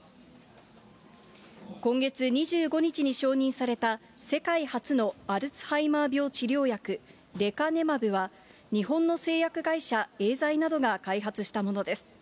今月２５日に承認された世界初のアルツハイマー病治療薬、レカネマブは、日本の製薬会社、エーザイなどが開発したものです。